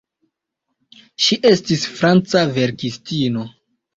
Ŝi estis franca verkistino.